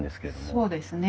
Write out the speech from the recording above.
そうですね。